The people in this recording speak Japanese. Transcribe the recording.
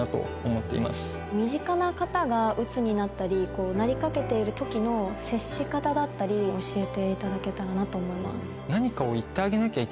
身近な方がうつになったりなりかけている時の接し方だったり教えていただけたらなと思います。